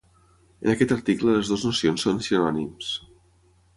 En aquest article les dues nocions són sinònims.